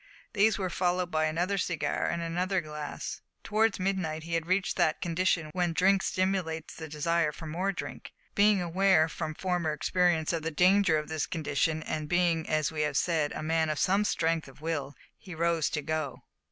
These were followed by another cigar and another glass. Towards midnight he had reached that condition when drink stimulates the desire for more drink. Being aware, from former experience, of the danger of this condition, and being, as we have said, a man of some strength of will, he rose to go.